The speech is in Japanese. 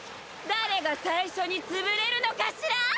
誰が最初につぶれるのかしら？